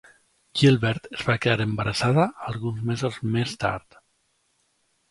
Gilbert es va quedar embarassada alguns mesos més tard.